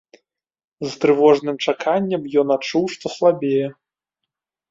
З трывожным чаканнем ён адчуў, што слабее.